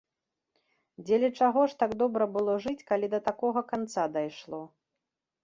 Дзеля чаго ж так добра было жыць, калі да такога канца дайшло?